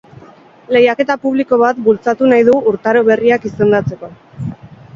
Lehiaketa publiko bat bultzatu nahi du urtaro berriak izendatzeko.